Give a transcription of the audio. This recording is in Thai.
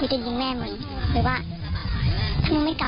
เพราะว่าผู้ชายคนเนี่ยประวัติก็ไม่เบาเขาจะคุยประมาณว่า